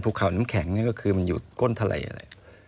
ภูเขาน้ำแข็งก็คือมันอยู่ก้นทะเล